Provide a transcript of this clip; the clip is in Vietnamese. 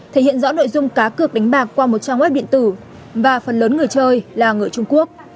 thể hiện rõ nội dung cá cược đánh bạc qua một trang web điện tử và phần lớn người chơi là người trung quốc